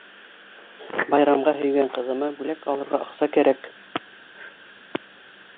Байрамға һөйгән ҡыҙыма бүләк алырға аҡса кәрәк.